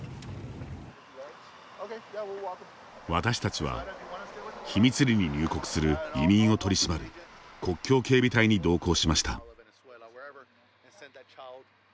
私たちは、秘密裏に入国する移民を取り締まる国境警備隊に同行しました。